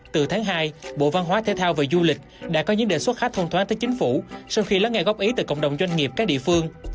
từ tháng hai bộ văn hóa thể thao và du lịch đã có những đề xuất khá thông thoáng tới chính phủ sau khi lắng nghe góp ý từ cộng đồng doanh nghiệp các địa phương